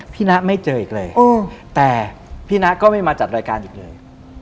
นะไม่เจออีกเลยแต่พี่นะก็ไม่มาจัดรายการอีกเลย